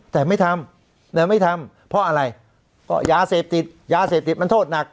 แต่ไม่ทำแต่ไม่ทำเพราะอะไรก็ยาเสพติดยาเสพติดมันโทษหนัก